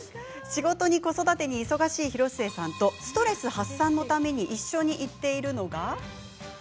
仕事に子育てに忙しい広末さんとストレス発散のために一緒に行っているのが。